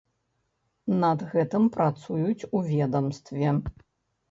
Над гэтым працуюць у ведамстве.